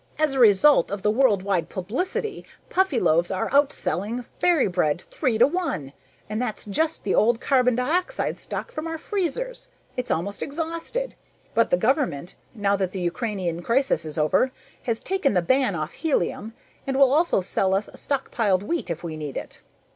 "As a result of the worldwide publicity, Puffyloaves are outselling Fairy Bread three to one and that's just the old carbon dioxide stock from our freezers! It's almost exhausted, but the government, now that the Ukrainian crisis is over, has taken the ban off helium and will also sell us stockpiled wheat if we need it.